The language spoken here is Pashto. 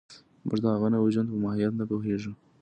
موږ د هغه نوي ژوند په ماهیت نه پوهېږو